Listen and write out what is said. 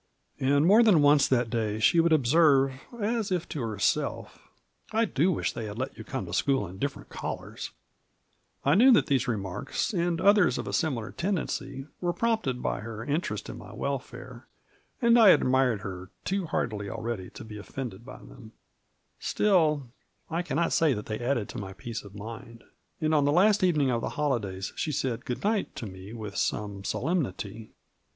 And more than once that day she would observe, as if to herself, " I do wish they had let you come to school in different collars 1 " I knew that these remarks, and others of a similar tendency, were prompted by her interest in my welfare, and I admired her too heartily already to be offended by them : still, I can not say they added to my peace of mind. And on the last evening of the holidays she said "Good night" to me with .some solemnity.